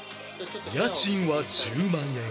家賃は１０万円